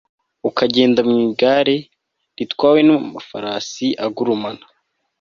ukagenda mu igare ritwawe n'amafarasi agurumana